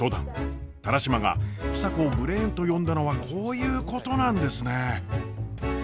田良島が房子をブレーンと呼んだのはこういうことなんですね。